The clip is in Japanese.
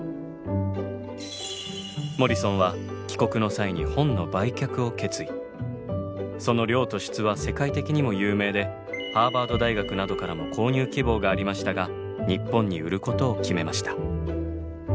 モリソンはその量と質は世界的にも有名でハーバード大学などからも購入希望がありましたが日本に売ることを決めました。